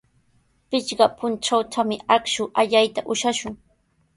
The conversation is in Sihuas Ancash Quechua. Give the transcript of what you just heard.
Pichqa puntrawtami akshu allayta ushashun.